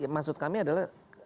maksud kami adalah